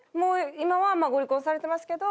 今ご離婚されてますけど」